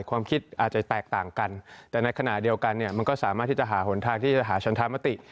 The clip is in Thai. ความคิดอาจจะแตกต่างกันแต่ในขณะเดียวกันเนี่ยมันก็สามารถที่จะหาหนทางที่จะหาชนธรรมติ